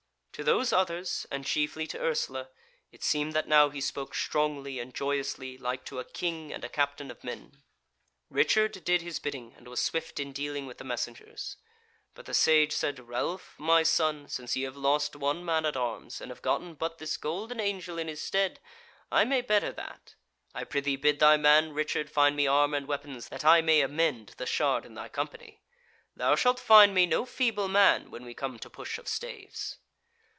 To those others, and chiefly to Ursula, it seemed that now he spoke strongly and joyously, like to a king and a captain of men. Richard did his bidding, and was swift in dealing with the messengers. But the Sage said: "Ralph, my son, since ye have lost one man at arms, and have gotten but this golden angel in his stead, I may better that. I prithee bid thy man Richard find me armour and weapons that I may amend the shard in thy company. Thou shalt find me no feeble man when we come to push of staves."